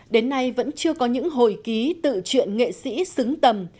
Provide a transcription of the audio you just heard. đến nay vẫn chưa có những hồi ký tự chuyện nghệ sĩ xứng tầm